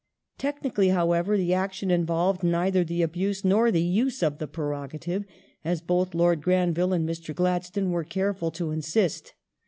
Technically, however, the action involved neither the abuse nor the use of the Prerogative, as both Lord Granville and Mr. Gladstone were careful to insist.